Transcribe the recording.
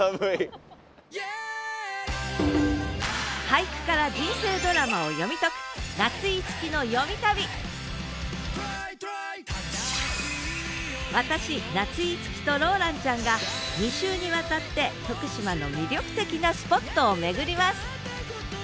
俳句から人生ドラマを読み解く私夏井いつきとローランちゃんが２週にわたって徳島の魅力的なスポットを巡ります。